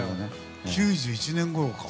９１年ごろか。